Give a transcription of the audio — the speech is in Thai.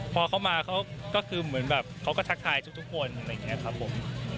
พอเขามาเขาก็คือเหมือนแบบเขาก็ทักทายทุกคนอะไรอย่างนี้ครับผม